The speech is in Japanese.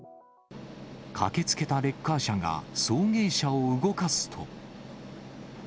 駆けつけたレッカー車が送迎車を動かすと。